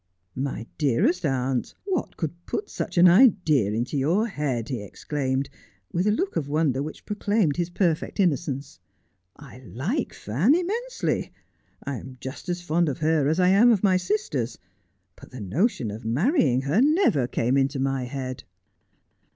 ' My dearest aunt, what could put such an idea into your head 1 ' he exclaimed, with a look of wonder which proclaimed his perfect innocence. ' I like Fan immensely. I am just as fond of her as I am of my sisters, but the notion of marrying her never came into my head.'